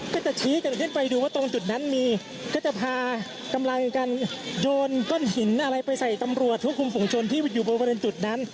ก็จะชี้กันขึ้นไปดูว่าตรงจุดนั้นมีก็จะพากำลังกันโยนก้อนหินอะไรไปใส่ตำรวจทุกคุมฝุงชนที่อยู่บริเวณจุดนั้น